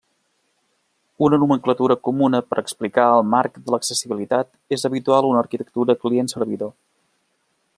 Una nomenclatura comuna per explicar el marc de l'accessibilitat és habitual una arquitectura Client-servidor.